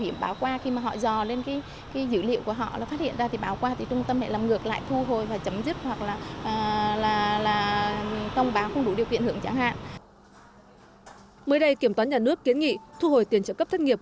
mới đây kiểm toán nhà nước kiến nghị thu hồi tiền trợ cấp thất nghiệp